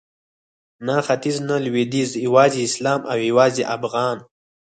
نه ختیځ نه لویدیځ یوازې اسلام او یوازې افغان